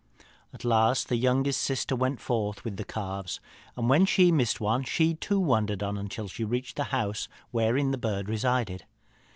"At last the youngest sister went forth with the calves, and when she missed one she too wandered on until she reached the house wherein the bird resided.